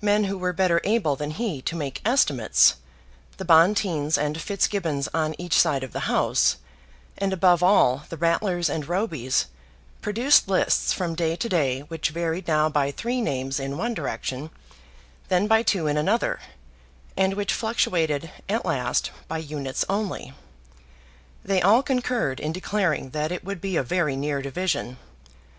Men who were better able than he to make estimates, the Bonteens and Fitzgibbons on each side of the House, and above all, the Ratlers and Robys, produced lists from day to day which varied now by three names in one direction, then by two in another, and which fluctuated at last by units only. They all concurred in declaring that it would be a very near division.